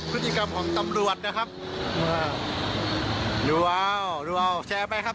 พฤติกรรมของตำรวจนะครับดูเอาดูเอาแชร์ไปครับ